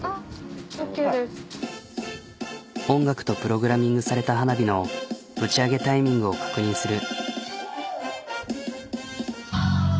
音楽とプログラミングされた花火の打ち上げタイミングを確認する。